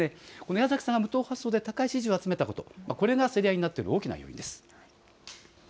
矢崎さんが無党派層で高い支持を集めたことこれが競り合いになっている大きな要因です。